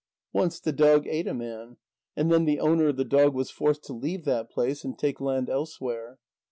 Once the dog ate a man, and then the owner of the dog was forced to leave that place and take land elsewhere.